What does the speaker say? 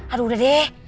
aduh udah deh